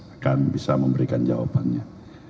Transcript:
akan bisa memberikan jawabannya